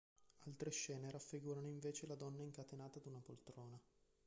Altre scene raffigurano invece la donna incatenata ad una poltrona.